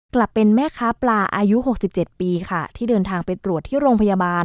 กลับเป็นแม่ค้าปลาอายุ๖๗ปีค่ะที่เดินทางไปตรวจที่โรงพยาบาล